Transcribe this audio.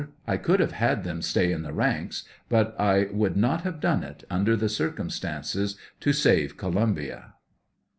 I could have had them stay in the ranks, but I would not have done it, under the circumstances, to save Columbia.